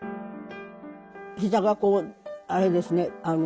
ひざがこうあれですね